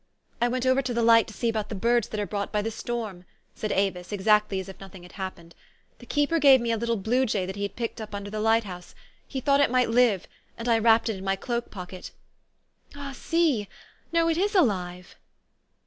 " I went over to the Light to see about the birds that are brought by the storm," said Avis, exactly THE STORY OF AVIS. 83 as if nothing had happened. " The keeper gave me a little blue jay that he picked up under the light house. He thought it might live ; and I wrapped it in my cloak pocket. Ah, see ! No : it is alive."